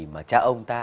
mà cha ông ta